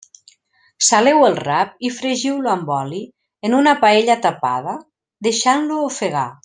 Saleu el rap i fregiu-lo amb oli, en una paella tapada, deixant-lo ofegar.